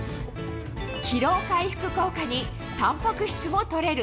疲労回復効果にたんぱく質もとれる。